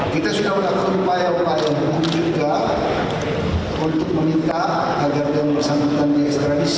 kita sudah melakukan upaya upaya pun juga untuk meminta agar dia bersambungkan di ekstradisi